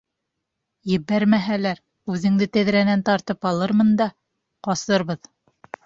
Ебәрмәһәләр, үҙеңде тәҙрәнән тартып алырмын да, ҡасырбыҙ.